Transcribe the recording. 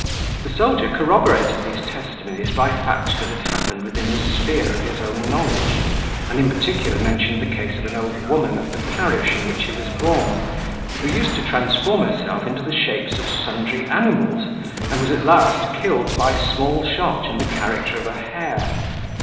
The soldier corroborated these testimonies by facts that had happened within the sphere of his own knowledge, and in particular mentioned the case of an old woman of the parish in which he was born, who used to transform herself into the shapes of sundry animals, and was at last killed by small shot in the character of a hare.